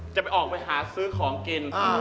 จะไปออกไปหาซื้อของกิน